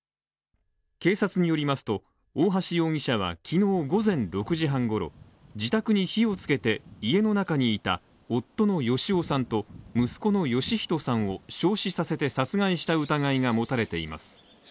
警察によりますと大橋容疑者はきのう午前６時半ごろ、自宅に火をつけて、家の中にいた夫の芳男さんと息子の芳人さんを焼死させて殺害した疑いが持たれています。